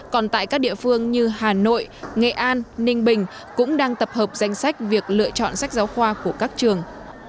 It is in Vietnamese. còn tại các địa phương như hà nội nghệ an ninh bình cũng đang tập hợp danh sách việc lựa chọn sách giáo khoa của các trường